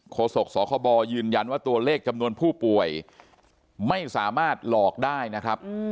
โศกสคบยืนยันว่าตัวเลขจำนวนผู้ป่วยไม่สามารถหลอกได้นะครับ